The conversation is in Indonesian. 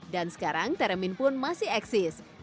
dan sekarang teramin pun masih eksis karena di dunia musik tersebut